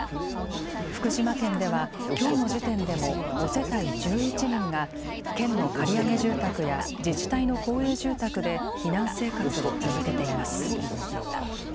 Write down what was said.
福島県ではきょうの時点でも５世帯１１人が県の借り上げ住宅や自治体の公営住宅で避難生活を続けています。